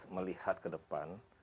melihat ke depan